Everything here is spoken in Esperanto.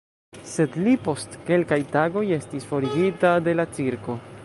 Sed li post kelkaj tagoj estis forigita de la cirko.